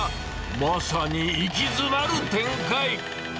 まさに息詰まる展開。